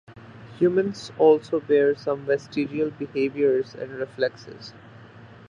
Humans also bear some vestigial behaviors and reflexes.